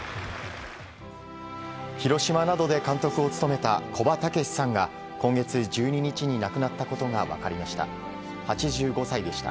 広島などで監督を務めた古葉竹識さんが今月１２日に亡くなったことが分かりました。